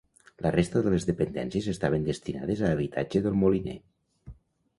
La resta de les dependències estaven destinades a habitatge del moliner.